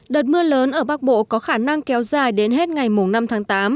đợt mưa lớn ở bắc bộ có khả năng kéo dài đến hết ngày năm tháng tám